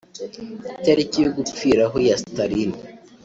itariki yo gupfiraho ya Staline